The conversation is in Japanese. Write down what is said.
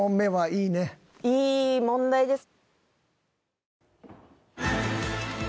いい問題です。